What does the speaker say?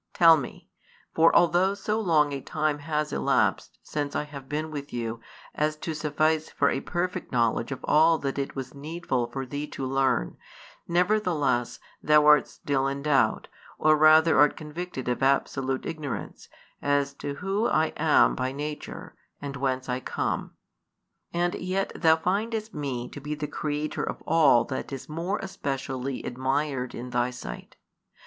Tell Me. For although so long a time has elapsed since I have been with you as to suffice for a perfect knowledge of all that it was needful for thee to learn, nevertheless thou art still in doubt, or rather art convicted of absolute ignorance, as to Who I am by nature, and whence I come; and yet thou findest Me to be the Creator of all that is more especially admired in thy sight.